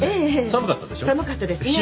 寒かったですね。